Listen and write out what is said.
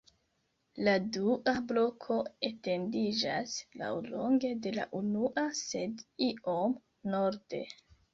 La dua bloko etendiĝas laŭlonge de la unua, sed iom norde.